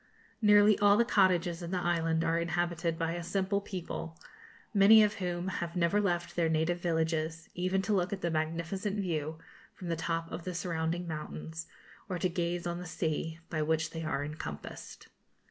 Nearly all the cottages in the island are inhabited by a simple people, many of whom have never left their native villages, even to look at the magnificent view from the top of the surrounding mountains, or to gaze on the sea, by which they are encompassed.